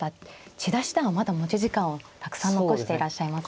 千田七段はまだ持ち時間をたくさん残していらっしゃいますね。